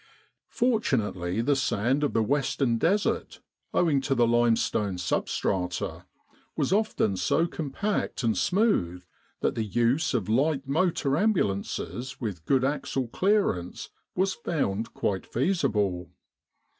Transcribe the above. Fortunately the sand of the western Desert, owing to the limestone substrata, was often so compact and smooth that the use of light motor ambulances with good axle clearance was found quite feasible.